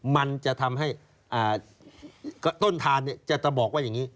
มันจะทำให้ต้นทานจะบอกว่าอย่างนี้